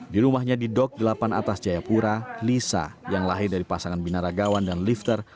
di rumahnya di dok delapan atas jayapura lisa yang lahir dari pasangan binaragawan dan lifter